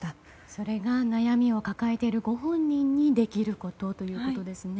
それが悩みを抱えているご本人にできることということですね。